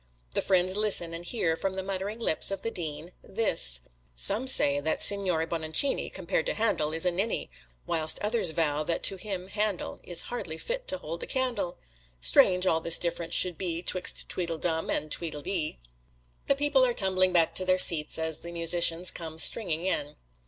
The friends listen and hear from the muttering lips of the Dean, this: Some say that Signore Bononcini, Compared to Handel is a ninny; Whilst others vow that to him Handel, Is hardly fit to hold a candle. Strange all this difference should be 'Twixt tweedledum and tweedledee. The people are tumbling back to their seats as the musicians come stringing in.